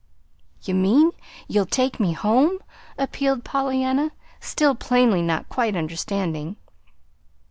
"You mean you'll take me home?" appealed Pollyanna, still plainly not quite understanding.